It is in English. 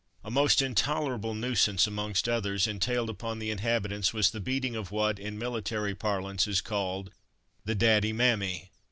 A most intolerable nuisance, amongst others, entailed upon the inhabitants was the beating of what, in military parlance, is called "the Daddy Mammy."